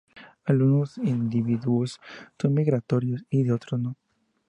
Algunos individuos son migratorios y otros no.